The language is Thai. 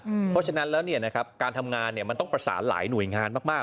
เพราะฉะนั้นแล้วการทำงานมันต้องประสานหลายหน่วยงานมาก